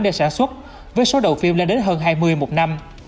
để sản xuất với số đầu phim lên đến hơn hai mươi một năm